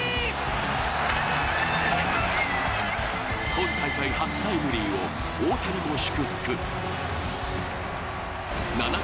今大会初タイムリーを大谷も祝福。